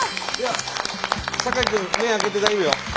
坂井君目開けて大丈夫よ。